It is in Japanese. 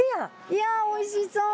いやおいしそう。